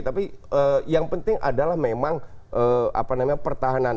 tapi yang penting adalah memang pertahanan